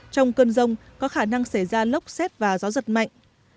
trong cơn rông có khả năng xảy ra lốc xét và gió giật mạnh